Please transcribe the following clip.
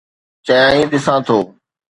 چيائين: ڏسان ٿو.